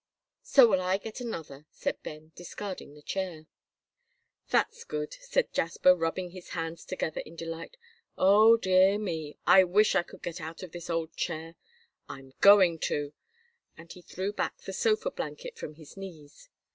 "So will I get another," said Ben, discarding the chair. "That's good," said Jasper, rubbing his hands together in delight. "O dear me! I wish I could get out of this old chair. I'm going to," and he threw back the sofa blanket from his knees.